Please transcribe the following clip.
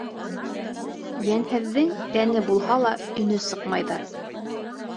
Йәнһеҙҙең, тәне булһа ла, өнө сыҡмайҙыр.